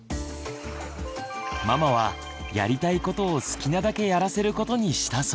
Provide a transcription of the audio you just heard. ママはやりたいことを好きなだけやらせることにしたそうです。